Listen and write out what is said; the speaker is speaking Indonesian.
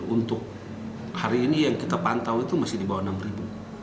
untuk hari ini yang kita pantau itu masih di bawah enam ribu